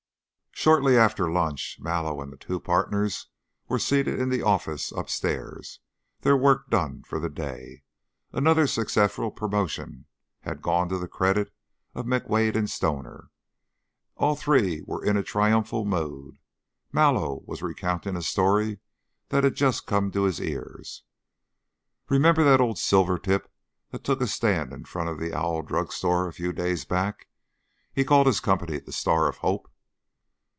Shortly after lunch, Mallow and the two partners were seated in the office upstairs, their work done for the day. Another successful promotion had gone to the credit of McWade and Stoner; all three were in a triumphal mood. Mallow was recounting a story that had just come to his ears. "Remember that old silver tip that took a stand in front of the Owl Drug Store a few days back? He called his company 'The Star of Hope.'"